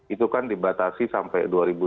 itu kan dibatasi sampai dua ribu dua puluh